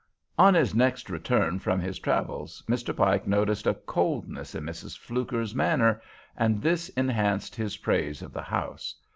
On his next return from his travels Mr. Pike noticed a coldness in Mrs. Fluker's manner, and this enhanced his praise of the house.